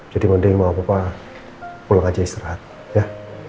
jadi mending mama papa pulang aja istirahat ya